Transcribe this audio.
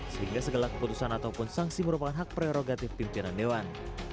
sehingga segala keputusan ataupun sanksi merupakan hak prerogatif pimpinan dewan